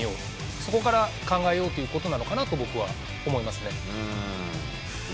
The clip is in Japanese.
そこから考えようということなのかなと思いますね。